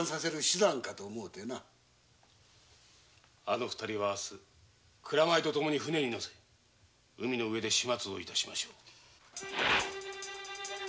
あの二人は明日蔵米とともに船に乗せ海の上で始末を致しましょう。